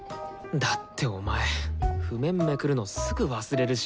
だってお前譜面めくるのすぐ忘れるし。